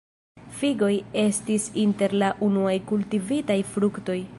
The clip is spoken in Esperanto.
Figoj estis inter la unuaj kultivitaj fruktoj.